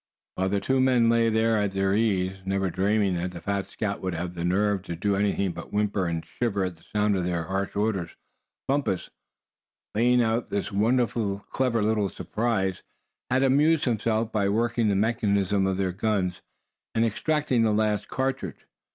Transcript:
While the two men lay there at their ease, never dreaming that the fat scout would have the nerve to do anything but whimper, and shiver at the sound of their harsh orders, Bumpus, laying out this wonderfully clever little surprise, had amused himself by working the mechanism of their guns, and extracting the last cartridge.